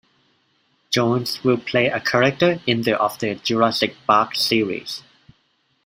Jones will play a character in the of the "Jurassic Park" series.